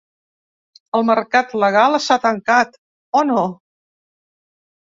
El mercat legal està tancat, o no?